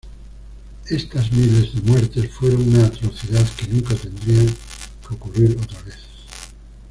Estas miles de muertes fueron una atrocidad que nunca tendrían que ocurrir otra vez.